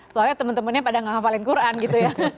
soalnya teman temannya pada ngapalin quran gitu ya